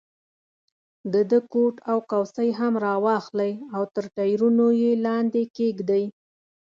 د ده کوټ او کوسۍ هم را واخلئ او تر ټایرونو یې لاندې کېږدئ.